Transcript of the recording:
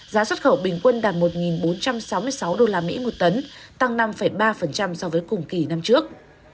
giá xuất khẩu bình quân đạt một bốn trăm sáu mươi sáu usd một tấn tăng năm ba so với cùng kỳ năm trước